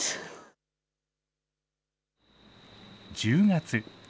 １０月。